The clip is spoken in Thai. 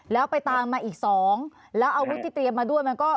แล้วไปตามมาอีกสองแล้วอาวุธที่เตรียมมาด้วยมันก็